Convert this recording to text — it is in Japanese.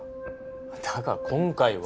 だが今回は。